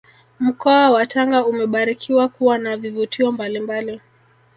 Mkoa wa Tanga umebarikiwa kuwa na vivutio mbalimbali